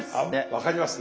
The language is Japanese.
分かります？